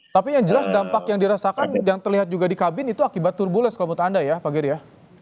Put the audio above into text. tapi yang jelas dampak yang dirasakan yang terlihat juga di kabin itu akibat turbules kalau menurut anda ya pak geria